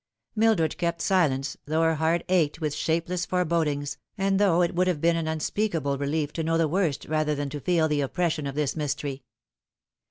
Mildred kept silence, though her heart ached with shapeless forebodings, and though it would have been an unspeakable relief to know the worst rather than to feel the oppression of this mystery.